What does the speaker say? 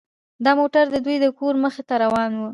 دا موټر د دوی د کور مخې ته روان و